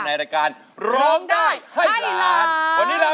ในรายการร้องได้ให้ร้าน